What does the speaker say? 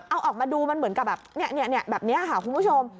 เอาออกมาดูมันเหมือนกับแบบแบบนี้ค่ะคุณผู้ชม